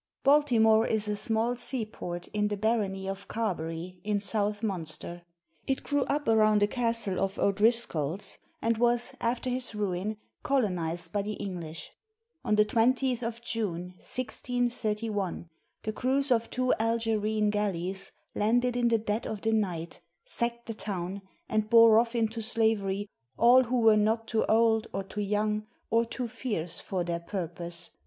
[Baltimore is a small seaport in the barony of Carbery, in South Munster. It grew up around a castle of O'Driscoll's, and was, after his ruin, colonized by the English. On the 20th of June, 1631, the crews of two Algerine galleys landed in the dead of the night, sacked the town, and bore off into slavery all who were not too old, or too young, or too fierce, for their purpose.